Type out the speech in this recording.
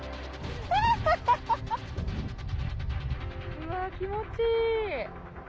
うわ気持ちいい。